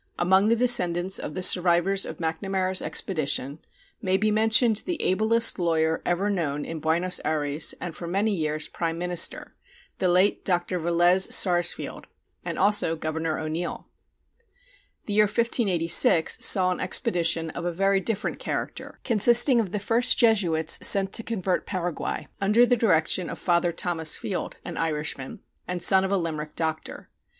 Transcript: Among the descendants of the survivors of Macnamara's expedition may be mentioned the ablest lawyer ever known in Buenos Ayres and for many years Prime Minister, the late Dr. Velez Sarsfield, and also Governor O'Neill. The year 1586 saw an expedition of a very different character, consisting of the first Jesuits sent to convert Paraguay, under the direction of Father Thomas Field, an Irishman, and son of a Limerick doctor.